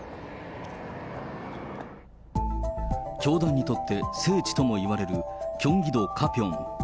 教団にとって聖地とも言われるキョンギ道カピョン。